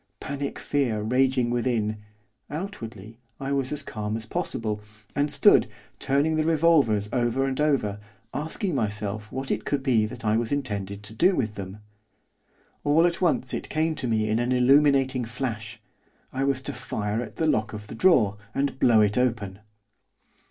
Panic fear raging within, outwardly I was calm as possible, and stood, turning the revolvers over and over, asking myself what it could be that I was intended to do with them. All at once it came to me in an illuminating flash, I was to fire at the lock of the drawer, and blow it open.